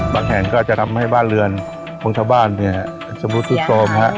บางแห่งก็จะทำให้บ้านเรือนของชาวบ้านเสียหายด้วย